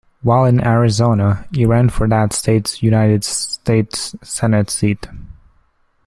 While in Arizona he ran for that state's United States Senate Seat.